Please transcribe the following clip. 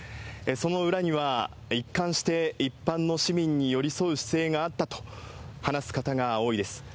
その裏には、一貫して一般の市民に寄り添う姿勢があったと話す方が多いです。